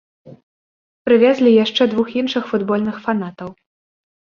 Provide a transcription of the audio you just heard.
Прывезлі яшчэ двух іншых футбольных фанатаў.